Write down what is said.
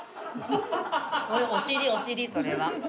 それお尻お尻それは。